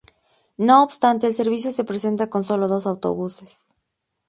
No obstante, el servicio se presta con sólo dos autobuses.